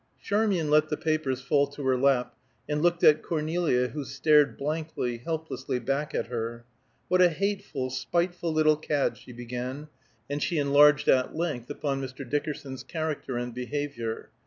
Charmian let the papers fall to her lap, and looked at Cornelia who stared blankly, helplessly back at her. "What a hateful, spiteful little cad!" she began, and she enlarged at length upon Mr. Dickerson's character and behavior.